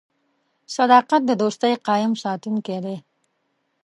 • صداقت د دوستۍ قایم ساتونکی دی.